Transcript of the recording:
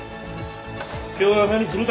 今日は何にする？